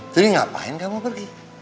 jadi ngapain kamu pergi